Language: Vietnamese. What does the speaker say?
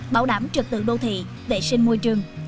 bảo đảm trực tượng đô thị vệ sinh môi trường